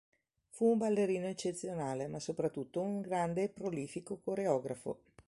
Fu un ballerino eccezionale ma soprattutto un grande e prolifico coreografo.